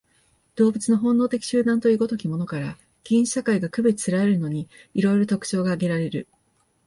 動物の本能的集団という如きものから、原始社会が区別せられるのに、色々特徴が挙げられる。